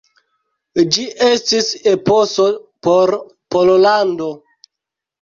Ĝi estis eposo por Pollando.